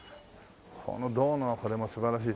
この銅のこれも素晴らしい。